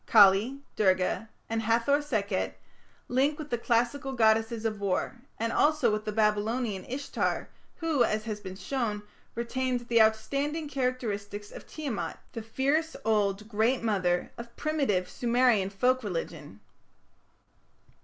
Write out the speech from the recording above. Kali, Durga, and Hathor Sekhet link with the classical goddesses of war, and also with the Babylonian Ishtar, who, as has been shown, retained the outstanding characteristics of Tiamat, the fierce old "Great Mother" of primitive Sumerian folk religion.